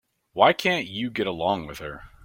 Why can't you get along with her?